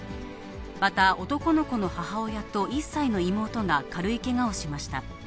また、男の子の母親と１歳の妹が軽いけがをしました。